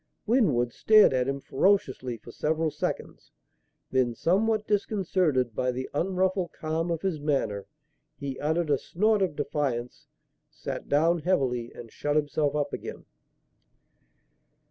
Winwood stared at him ferociously for several seconds; then, somewhat disconcerted by the unruffled calm of his manner, he uttered a snort of defiance, sat down heavily and shut himself up again.